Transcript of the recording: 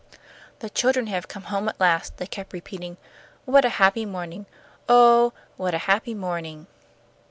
"The children have come home at last," they kept repeating. "What a happy morning! Oh, what a happy morning!"